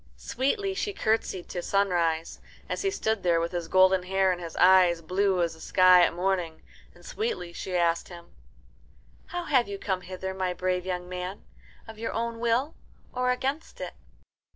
Sweetly she curtsied to Sunrise, as he stood there with his golden hair and his eyes blue as the sky at morning, and sweetly she asked him, "How have you come hither, my brave young man of your own will or against it?"